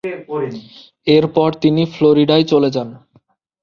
এরপর তিনি ফ্লোরিডায় চলে যান।